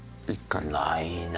ないな。